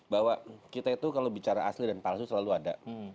bahwa kita itu kalau bicara asli dan palsu selalu ada